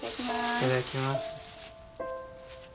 いただきます。